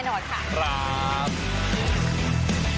คุณอโนไทจูจังกับผู้ที่ได้รับรางวัลครับ